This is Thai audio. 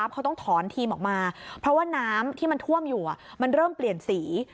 เขาต้องถอนทีมออกมาเพราะว่าน้ำที่มันท่วมอยู่มันเริ่มเปลี่ยนสี